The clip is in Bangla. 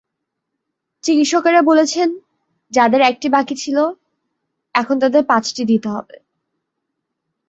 চিকিৎসকেরা বলছেন, যাঁদের একটি বাকি ছিল, এখন তাঁদের পাঁচটি দিতে হবে।